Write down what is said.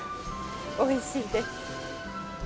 おいしいです。